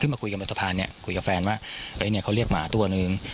ขึ้นมาคุยกับบริษัทภัณฑ์คุยกับแฟนว่าเขาเรียกหมาตัวหนึ่ง